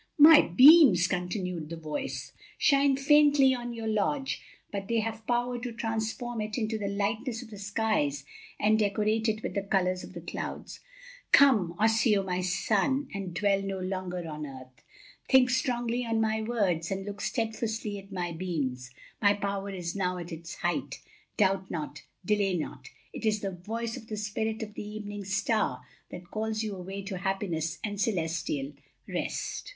"My beams," continued the voice, "shine faintly on your lodge, but they have power to transform it into the lightness of the skies and decorate it with the colors of the clouds. Come, Osseo, my son, and dwell no longer on earth. Think strongly on my words and look steadfastly at my beams. My power is now at its height. Doubt not, delay not. It is the voice of the Spirit of the Evening Star that calls you away to happiness and celestial rest."